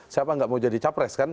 siapa nggak mau jadi capres kan